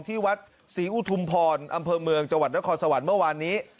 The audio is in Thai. ที่วัดศรีอุทุมพรอำเภอเมืองจังหวัดนครสวรรค์เมื่อวานนี้